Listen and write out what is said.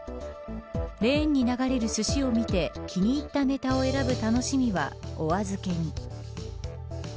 レーンに流れる、すしを見て気に入ったネタを選ぶ楽しみはお預けに。